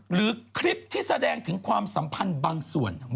หรือคลิปที่แสดงถึงความสัมพันธ์บางส่วน